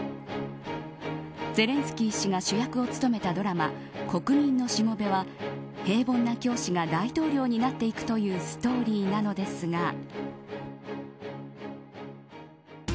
ゼレンスキー氏が主役を務めたドラマ国民のしもべは平凡な教師が大統領になっていくというストーリーなのですが。